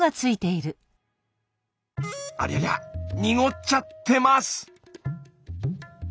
ありゃりゃ濁っちゃってます！